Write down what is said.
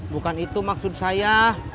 bukan itu maksud saya